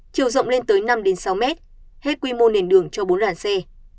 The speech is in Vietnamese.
chiều rộng lên tới năm sáu m hết quy mô nền đường cho bốn làn xe